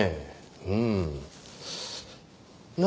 うん。